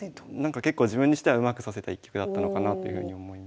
結構自分にしてはうまく指せた一局だったのかなというふうに思います。